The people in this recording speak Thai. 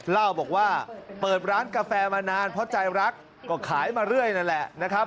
เล่าบอกว่าเปิดร้านกาแฟมานานเพราะใจรักก็ขายมาเรื่อยนั่นแหละนะครับ